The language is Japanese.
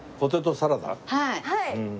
はい。